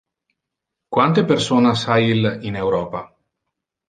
Quante personas ha il in Europa?